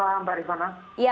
selamat malam pak rifana